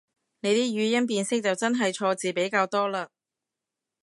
你啲語音辨識就真係錯字比較多嘞